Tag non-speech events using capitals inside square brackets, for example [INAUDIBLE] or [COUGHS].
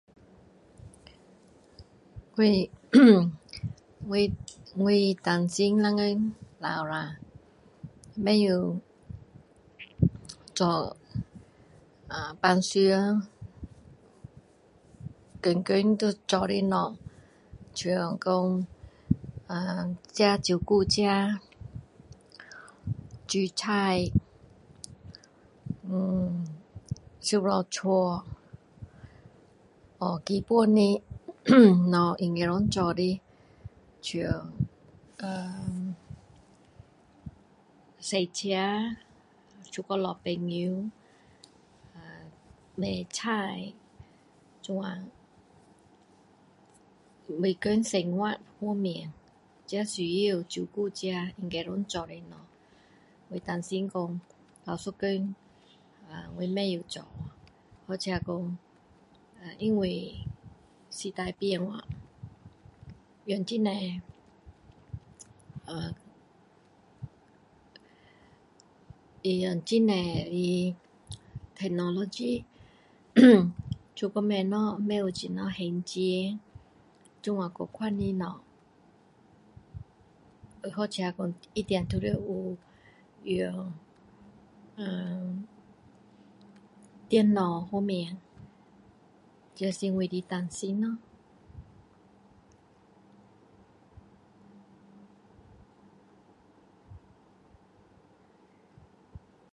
我我 [COUGHS] 我最怕做呃平常天天要做的东西像说呃自己现在自己照顾自己煮菜呃收拾家学基本的像erm 驾车出去找朋友买菜这样每天生活方面自己需要照顾自己自己应该做的事情我担心说到一天我没有做或者说因为时代变去变很多用很多的technologies 出去买东西会懂怎样还钱这样子的东西又或者说用呃电脑方面这是我的担心咯